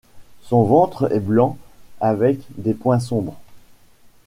Son ventre est blanc avec des points sombres.